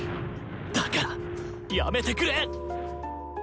だからやめてくれ！